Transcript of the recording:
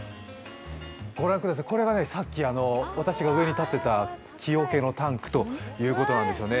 ご覧ください、これがさっき私が立っていた木おけのタンクということなんですね。